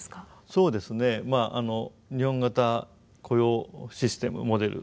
そうですね日本型雇用システムモデル